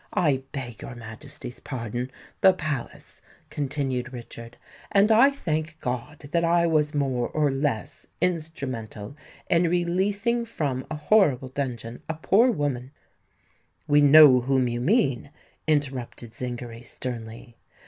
"I beg your Majesty's pardon—the Palace," continued Richard; "and I thank God that I was more or less instrumental in releasing from a horrible dungeon a poor woman——" "We know whom you mean," interrupted Zingary, sternly.